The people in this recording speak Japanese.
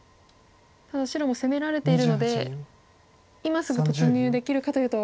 ただ白も攻められているので今すぐ突入できるかというと。